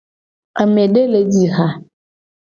Amede le ji ha.